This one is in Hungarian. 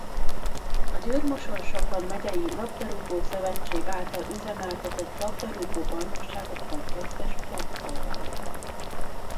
A Győr-Moson-Sopron megyei Labdarúgó-szövetség által üzemeltetett labdarúgó bajnokságokban kezdte sportszolgálatát.